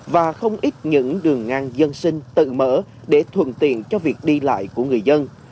và không ít những đường ngang dân sinh tự mở để thuận tiện cho việc đi lại của người dân